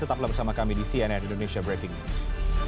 tetaplah bersama kami di cnn indonesia breaking news